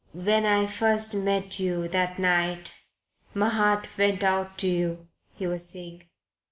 "When I first met you that night my heart went out to you," he was saying.